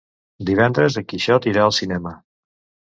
Divendres en Quixot irà al cinema.